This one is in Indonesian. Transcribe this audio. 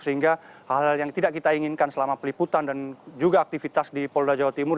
sehingga hal hal yang tidak kita inginkan selama peliputan dan juga aktivitas di polda jawa timur